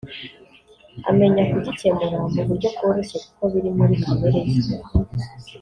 amenya kugikemura mu buryo bworoshye kuko biri muri kamere ye